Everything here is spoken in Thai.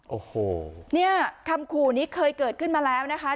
โอ้โหเนี่ยคำขู่นี้เคยเกิดขึ้นมาแล้วนะคะ